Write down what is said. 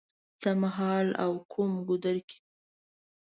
څه مهال او کوم ګودر کې